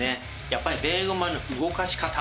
やっぱりベーゴマの動かし方。